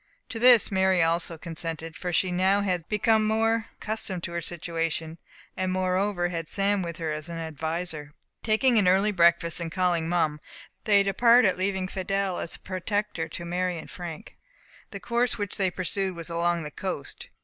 To this Mary also consented, for she had now become more accustomed to her situation, and moreover had Sam with her as an adviser. Taking an early breakfast, and calling Mum, they departed, leaving Fidelle as a protector to Mary and Frank. The course which they pursued was along the coast.